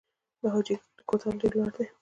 د حاجي ګک کوتل ډیر لوړ دی